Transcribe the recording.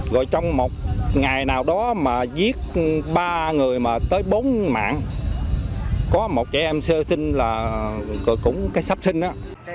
rồi trong một ngày nào đó mà giết ba người mà tới bốn mạng có một trẻ em sơ sinh là cũng cái sắp sinh đó